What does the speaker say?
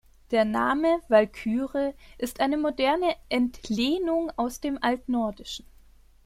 Der Name "Walküre" ist eine moderne Entlehnung aus dem Altnordischen.